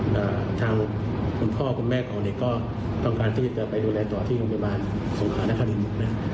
ทางคุณพ่อคุณแม่ของเด็กก็ต้องการที่จะไปดูแลต่อที่โรงพยาบาลสงขานครินนะ